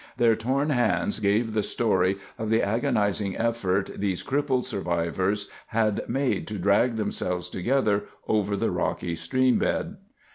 Their torn hands gave the story of the agonizing effort these crippled survivors had made to drag themselves together over the rocky stream bed.